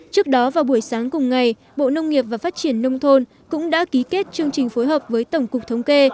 trước đó vào buổi sáng cùng ngày bộ nông nghiệp và phát triển nông thôn cũng đã ký kết chương trình phối hợp với tổng cục thống kê